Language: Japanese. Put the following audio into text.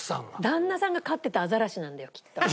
旦那さんが飼ってたアザラシなんだよきっと。